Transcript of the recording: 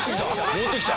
戻ってきた！